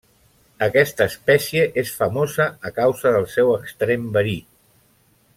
Aquesta espècie és famosa a causa del seu extrem verí.